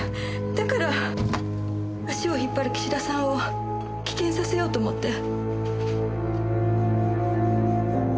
だから足を引っ張る岸田さんを棄権させようと思って。